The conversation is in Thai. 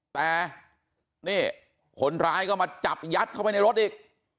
แต่นี่คนร้ายก็มาจับยัดเข้าไปในรถอีก